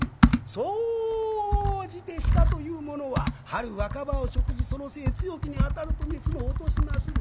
総じて鹿というものは春若葉を食しその精強きにあたると角を落としまする。